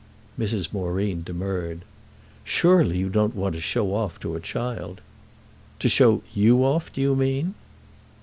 Mrs. Moreen demurred. "Surely you don't want to show off to a child?" "To show you off, do you mean?"